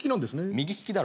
右利きだろ。